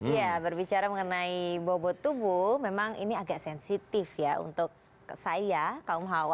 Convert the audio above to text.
ya berbicara mengenai bobot tubuh memang ini agak sensitif ya untuk saya kaum hawa